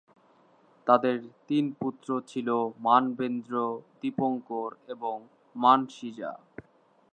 তাদের তিন পুত্র ছিল- মানবেন্দ্র, দীপঙ্কর এবং মানসীজা।